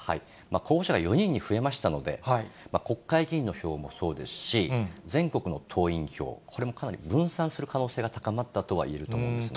候補者が４人に増えましたので、国会議員の票もそうですし、全国の党員票、これもかなり分散する可能性が高まったとはいえると思うんですね。